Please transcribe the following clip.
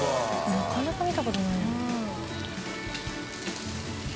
なかなか見たことない。